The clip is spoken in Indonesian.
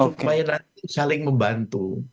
supaya nanti saling membantu